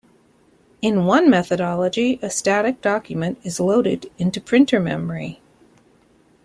In one methodology, a static document is loaded into printer memory.